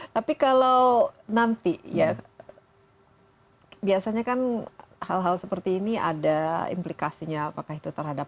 tapi kalau nanti ya biasanya kan hal hal seperti ini ada implikasinya apakah itu terhadap